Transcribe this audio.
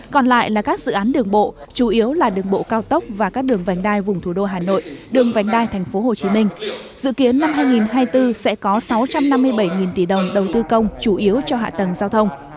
còn lại là các dự án đường bộ chủ yếu là đường bộ cao tốc và các đường vành đai vùng thủ đô hà nội đường vành đai tp hcm dự kiến năm hai nghìn hai mươi bốn sẽ có sáu trăm năm mươi bảy tỷ đồng đầu tư công chủ yếu cho hạ tầng giao thông